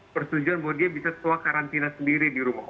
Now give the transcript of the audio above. persetujuan bahwa dia bisa tua karantina sendiri di rumah